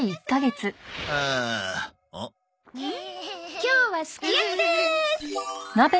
今日はすき焼きでーす！